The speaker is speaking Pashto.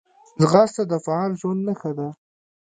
ځغاسته د فعاله ژوند نښه ده